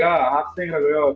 wah selamat datang